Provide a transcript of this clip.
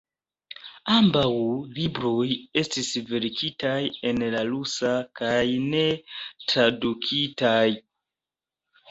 Ambaŭ libroj estis verkitaj en la rusa kaj ne tradukitaj.